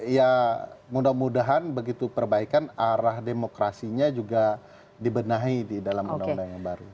ya mudah mudahan begitu perbaikan arah demokrasinya juga dibenahi di dalam undang undang yang baru